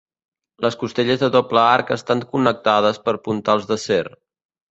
Les costelles de doble Arc estan connectades per puntals d'acer.